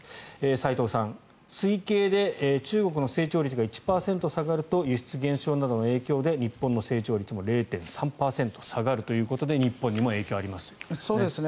齋藤さん、推計で中国の成長率が１％下がると輸出減少などの影響で日本の成長率も０．３％下がるということで日本にも影響がありますと。